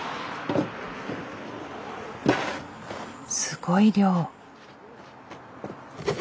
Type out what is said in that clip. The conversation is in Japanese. すごい量。